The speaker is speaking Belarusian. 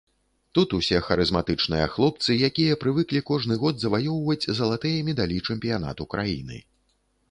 Тут усе харызматычныя хлопцы, якія прывыклі кожны год заваёўваць залатыя медалі чэмпіянату краіны.